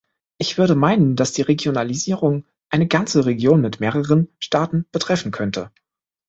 Ich würde meinen, dass die Regionalisierung eine ganze Region mit mehreren Staaten betreffen könnte.